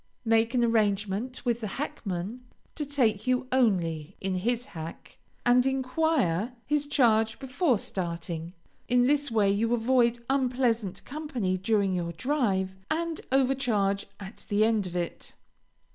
Make an engagement with the hackman, to take you only in his hack, and enquire his charge before starting. In this way you avoid unpleasant company during your drive, and overcharge at the end of it.